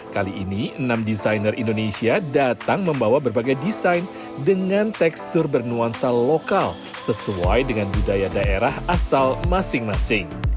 kali ini enam desainer indonesia datang membawa berbagai desain dengan tekstur bernuansa lokal sesuai dengan budaya daerah asal masing masing